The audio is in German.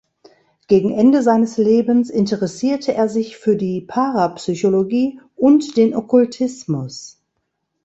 Gegen Ende seines Lebens interessierte er sich für die Parapsychologie und den Okkultismus.